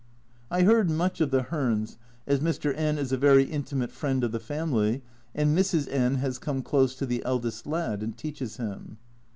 I heard much of the Hearns, as Mr. N is a very intimate friend of the family, and Mrs. N has come close to the eldest lad, and teaches him.